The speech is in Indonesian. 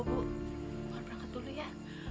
mohon berangkat dulu ya